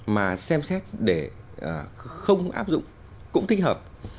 mà xem xét để không áp dụng cũng tích hợp